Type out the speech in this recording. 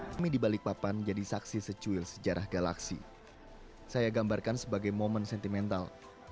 kami di balikpapan jadi saksi secuil sejarah galaksi saya gambarkan sebagai momen sentimental